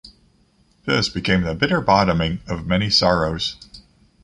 This became the bitter bottoming of many sorrows.